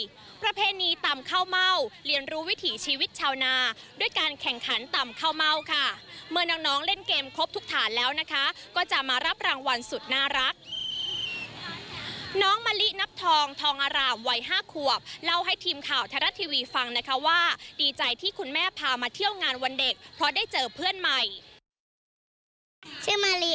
นอกจากนี้ค่ะเด็กยังได้รับความสนานทั้งประเพณีการละเล่นไทยอย่างสนานทั้งประเพณีการละเล่นไทยอย่างสนานทั้งประเพณีการละเล่นไทยอย่างสนานทั้งประเพณีการละเล่นไทยอย่างสนานทั้งประเพณีการละเล่นไทยอย่างสนานทั้งประเพณีการละเล่นไทยอย่างสนานทั้งประเพณีการละเล่นไทยอย่างสนานทั้งประเพณีการละเล่นไทยอย่างสนานทั้